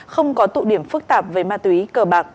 không có tụ điểm phức tạp về ma túy cờ bạc